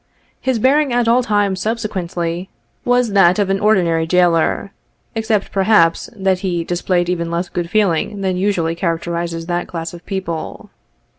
His bearing at all times subsequently, was that of an ordinary jailor, except, perhaps, that he displayed even less good feeling than usually characterizes that class of people.